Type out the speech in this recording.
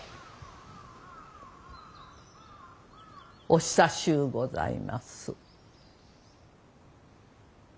お久しゅうございます。